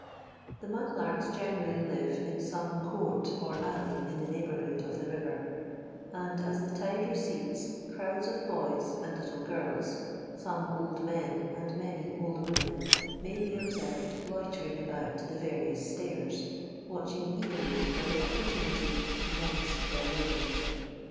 . Th« mu4 Iarks generally live in some court or alley in the neighbourhood of the river, and, as the tide recedes, crowds of boys and little girls, some old men, and many old women, may be observed loitering about the various stain, watching eagerly for the opportunity to commence their labours.